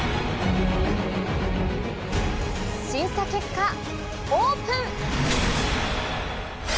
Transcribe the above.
審査結果、オープン。